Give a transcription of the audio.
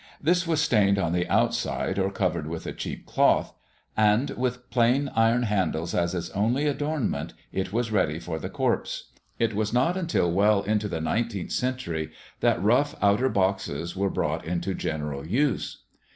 This was stained on the outside or covered with a cheap cloth, and, with plain iron handles as its only adornment, it was ready for the corpse. It was not until well on into the nineteenth century that rough outer boxes were brought into general use.